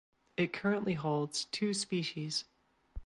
It currently holds two species.